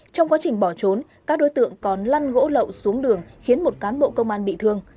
trong quá trình bỏ trốn các đối tượng còn lăn gỗ lậu xuống đường khiến một cán bộ công an bị thương